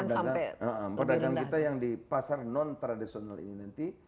saya ingin meningkatkan perdagangan kita yang di pasar non tradisional ini nanti